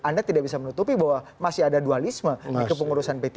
anda tidak bisa menutupi bahwa masih ada dualisme di kepengurusan p tiga